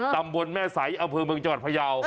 ตำบวนแม่สัยอำเภอเมืองจังหวัดพระเยาะ